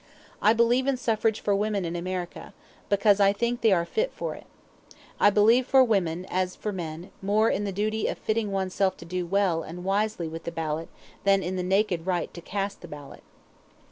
I believe in suffrage for women in America, because I think they are fit for it. I believe for women, as for men, more in the duty of fitting one's self to do well and wisely with the ballot than in the naked right to cast the ballot.